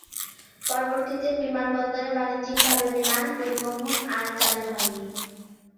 পরবর্তীতে বিমানবন্দরে বাণিজ্যিকভাবে বিমান পরিবহন আর চালু হয়নি।